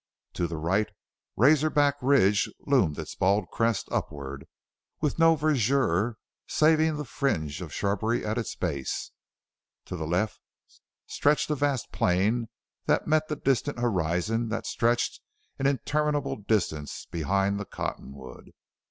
To the right Razor Back ridge loomed its bald crest upward with no verdure saving the fringe of shrubbery at its base; to the left stretched a vast plain that met the distant horizon that stretched an interminable distance behind the cottonwood.